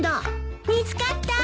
見つかった？